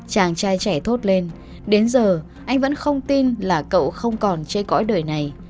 chàng trai trẻ thốt lên đến giờ anh vẫn không tin là cậu không còn chê cõi đời này